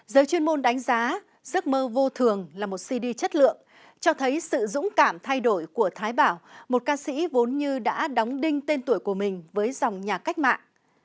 giới chuyên môn đánh giá giấc mơ vô thường là một cd chất lượng cho thấy sự dũng cảm thay đổi của thái bảo một ca sĩ vốn như đã đóng đinh tên tuổi của mình với dòng nhà cách mạng